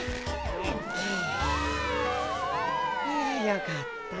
よかった。